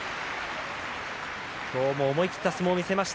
今日も思い切った相撲を見せました。